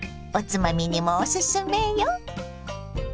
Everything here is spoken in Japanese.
おつまみにもおすすめよ。